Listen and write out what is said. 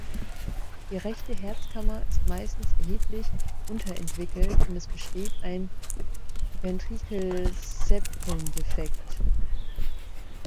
Die rechte Herzkammer ist meistens erheblich unterentwickelt und es besteht ein Ventrikelseptumdefekt.